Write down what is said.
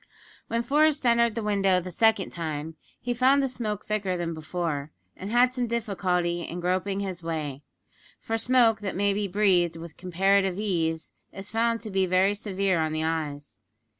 When Forest entered the window the second time he found the smoke thicker than before, and had some difficulty in groping his way for smoke that may be breathed with comparative ease is found to be very severe on the eyes.